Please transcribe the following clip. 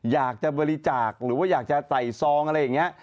อยากจะบริจาคหรือว่าอยากจะใส่ซองอะไรอย่างนี้